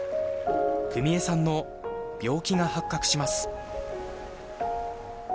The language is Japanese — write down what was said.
久美江さんの病気が発覚します。